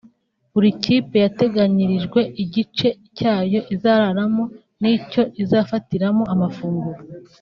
buri kipe yateganyirijwe igice cyayo izararamo n’icyo izafatiramo amafunguro